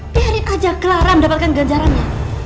biarin aja clara mendapatkan ganjarannya